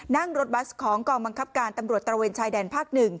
นั่งรถบัสของกองบังคับการตำรวจตระเวนชายแดนภาค๑